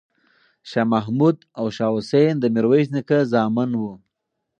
شاه محمود او شاه حسین د میرویس نیکه زامن وو.